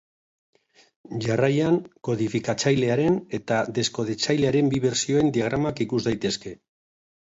Jarraian, kodifikatzailearen eta deskodetzailearen bi bertsioen diagramak ikus daitezke.